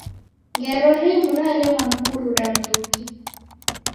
Ngelo rimu nalemwa ni kuruda mruke.